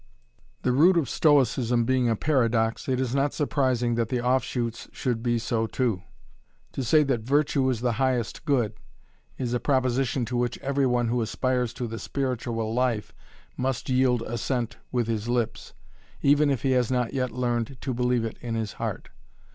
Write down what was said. The root of Stoicism being a paradox, it is not surprising that the offshoots should be so too. To say that "Virtue is the highest good" is a proposition to which every one who aspires to the spiritual life must yield assent with his lips, even if he has not yet learned to believe it in his heart.